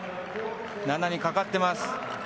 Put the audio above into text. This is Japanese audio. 菜那にかかっています。